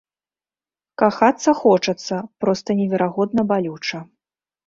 Кахацца хочацца, проста неверагодна балюча.